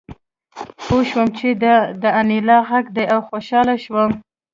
پوه شوم چې دا د انیلا غږ دی او خوشحاله شوم